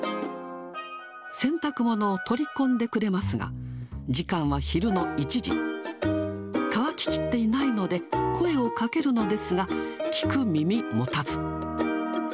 洗濯物を取り込んでくれますが、時間は昼の１時、乾ききっていないので、声をかけるのですが、聞く耳持たず。